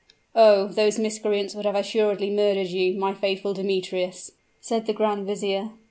"Oh! those miscreants would have assuredly murdered you, my faithful Demetrius," said the grand vizier.